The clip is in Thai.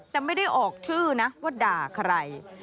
แต่ไม่ได้ออกชื่อนะว่าด่าใคร